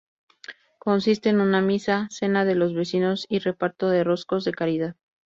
Consiste en una Misa, cena de los vecinos y reparto de roscos de caridad.